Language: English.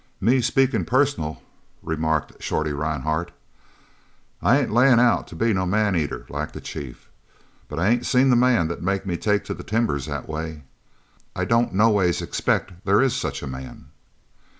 "Me speakin' personal," remarked Shorty Rhinehart, "I ain't layin' out to be no man eater like the chief, but I ain't seen the man that'd make me take to the timbers that way. I don't noways expect there is such a man!"